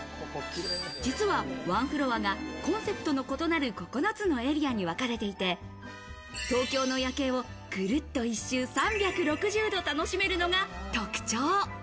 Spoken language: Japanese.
実はワンフロアがコンセプトの異なる９つのエリアに分かれていて、東京の夜景をぐるっと一周３６０度楽しめるのが特徴。